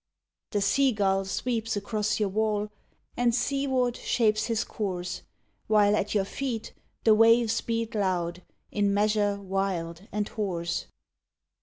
The sea gull sweeps across your wall, And seaward shapes his course! While at your feet the waves beat loud In measure wild and hoarse.